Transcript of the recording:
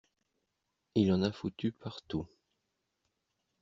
Il en a foutu partout.